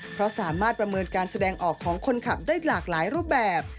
เพราะสามารถประเมินการแสดงออกของคนขับได้หลากหลายรูปแบบ